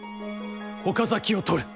岡崎を取る。